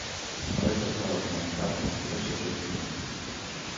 Adoita estar ornamentada con tres ou seis pequenas pingas.